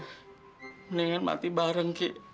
mendingan mati bareng ki